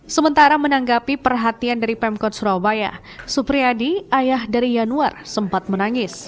sementara menanggapi perhatian dari pemkot surabaya supriyadi ayah dari yanuar sempat menangis